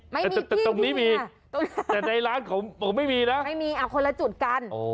ไม่มีตรงนี้มีแต่ในร้านของผมไม่มีนะไม่มีเอาคนละจุดกันอ๋อ